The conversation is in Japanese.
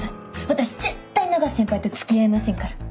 私絶対永瀬先輩とつきあいませんから。